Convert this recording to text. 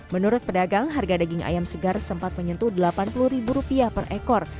menurut pedagang harga daging ayam segar sempat menyentuh rp delapan puluh per ekor